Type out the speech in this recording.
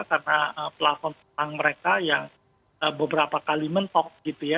karena pelakon tentang mereka yang beberapa kali mentok gitu ya